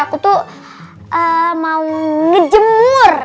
aku tuh mau ngejemur